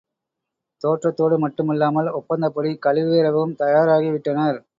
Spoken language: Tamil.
தோற்றதோடு மட்டுமல்லாமல் ஒப்பந்தப்படி கழுவேறவும் தயாராகி விட்டனர்.